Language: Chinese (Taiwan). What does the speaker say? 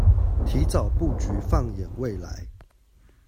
提早布局放眼未來